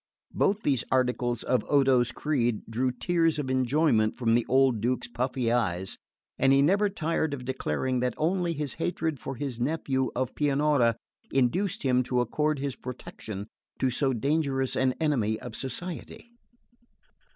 Both these articles of Odo's creed drew tears of enjoyment from the old Duke's puffy eyes; and he was never tired of declaring that only his hatred for his nephew of Pianura induced him to accord his protection to so dangerous an enemy of society.